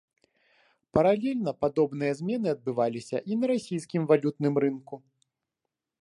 Паралельна падобныя змены адбываліся і на расійскім валютным рынку.